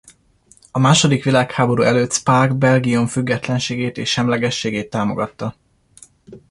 A második világháború előtt Spaak Belgium függetlenségét és semlegességét támogatta.